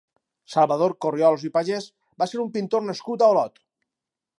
Salvador Corriols i Pagès va ser un pintor nascut a Olot.